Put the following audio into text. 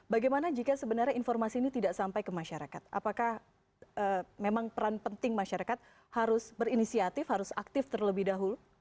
bagaimana jika sebenarnya informasi ini tidak sampai ke masyarakat apakah memang peran penting masyarakat harus berinisiatif harus aktif terlebih dahulu